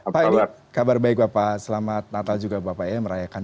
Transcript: pak ini kabar baik bapak selamat natal juga bapak ya merayakan